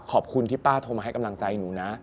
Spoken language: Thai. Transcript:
ขอบคุณที่ป้าโทรมาให้กำลังใจหนูนะ